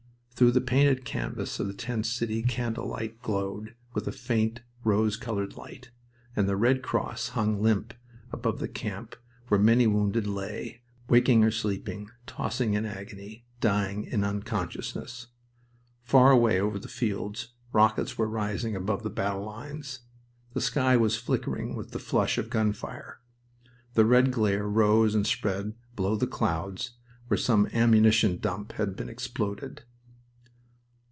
Through the painted canvas of the tent city candle light glowed with a faint rose colored light, and the Red Cross hung limp above the camp where many wounded lay, waking or sleeping, tossing in agony, dying in unconsciousness. Far away over the fields, rockets were rising above the battle lines. The sky was flickering with the flush of gun fire. A red glare rose and spread below the clouds where some ammunition dump had been exploded...